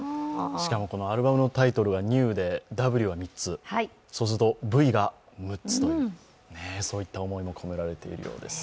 しかもアルバムのタイトルが「ＮＥＷＷＷ」でダブルが３つそうするとＶが６つと、そういった思いも込められているようです。